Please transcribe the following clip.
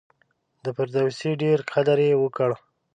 د فردوسي ډېر قدر یې وکړ.